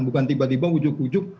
bukan tiba tiba ujug ujug